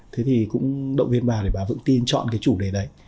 thế thì cũng động viên bà để bà vững tin chọn cái chủ đề đấy